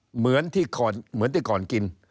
เหมือนที่ก่อนกิน